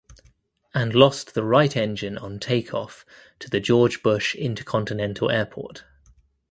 And lost the right engine on takeoff to the George Bush Intercontinental Airport.